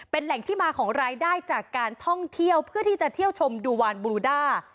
เป็นแหล่งที่มาของรายได้จากการท่องเที่ยวเพื่อที่จะเที่ยวชมดูวานบลูด้า